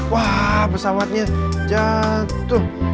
wah pesawatnya jatuh